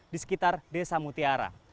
di sekitar desa mutiara